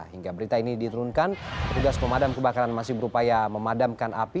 hingga berita ini diturunkan tugas pemadam kebakaran masih berupaya memadamkan api